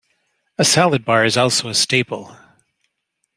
A salad bar is also a staple.